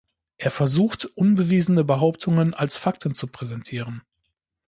Er versucht, unbewiesene Behauptungen als Fakten zu präsentieren.